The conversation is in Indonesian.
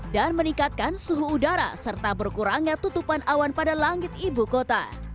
dan meningkatkan suhu udara serta berkurangnya tutupan awan pada langit ibu kota